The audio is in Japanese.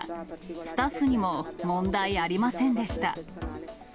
スタッフにも問題ありませんでした。